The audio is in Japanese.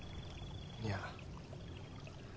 いや。